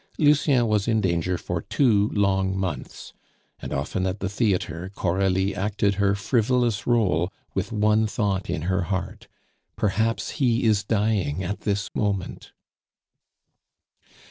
Lucien was in danger for two long months; and often at the theatre Coralie acted her frivolous role with one thought in her heart, "Perhaps he is dying at this moment."